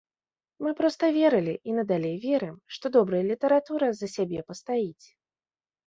Мы проста верылі і надалей верым, што добрая літаратура за сябе пастаіць.